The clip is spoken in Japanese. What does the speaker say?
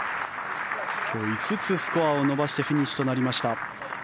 今日５つスコアを伸ばしてフィニッシュとなりました。